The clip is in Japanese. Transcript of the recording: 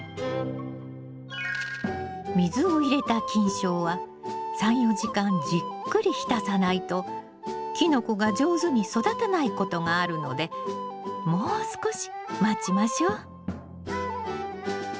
水を入れた菌床は３４時間じっくり浸さないとキノコが上手に育たないことがあるのでもう少し待ちましょう。